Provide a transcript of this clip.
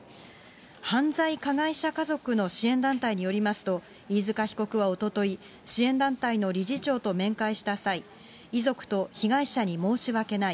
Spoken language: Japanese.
犯罪加害者家族の支援団体によりますと、飯塚被告はおととい、支援団体の理事長と面会した際、遺族と被害者に申し訳ない。